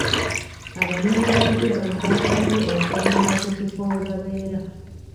Abanoonyiboobubudamu baasabye okwongerwa ku kifo we babeera.